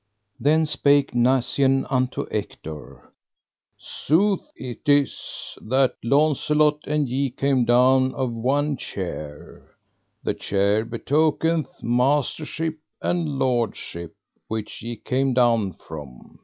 Then spake Nacien unto Ector: Sooth it is that Launcelot and ye came down off one chair: the chair betokeneth mastership and lordship which ye came down from.